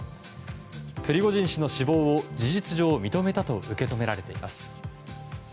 プリゴジン氏の死亡を事実上認めたと受け止められています。